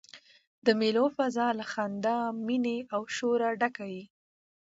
د مېلو فضاء له خندا، میني او شوره ډکه يي.